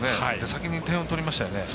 先に点を取りましたよね。